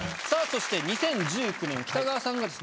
そして２０１９年北川さんがですね